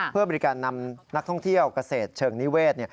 เพื่อบริการนำนักท่องเที่ยวเกษตรเชิงนิเวศ